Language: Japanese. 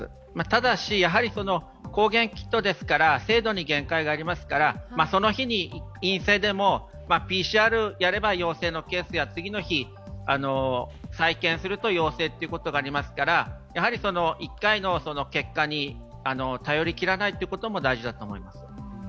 ただし、やはり抗原キットですから精度に限界がありますからその日に陰性でも、ＰＣＲをやれば陽性のケースや次の日、再検査すると陽性ということがありますから、１回の結果に頼りきらないのも大事だと思います。